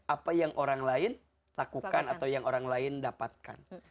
apa yang orang lain lakukan atau yang orang lain dapatkan